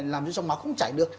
làm cho sông máu chảy được